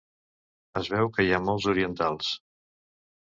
Es veu que hi ha molts orientals.